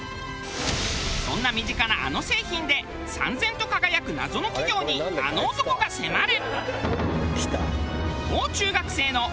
そんな身近なあの製品で燦然と輝く謎の企業にあの男が迫る。